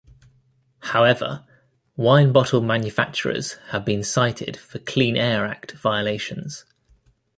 However, wine-bottle manufacturers have been cited for Clean Air Act violations.